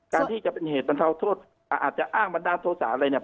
การที่จะเป็นเหตุบรรเทาโทษอาจจะอ้างบันดาลโทษะอะไรเนี่ย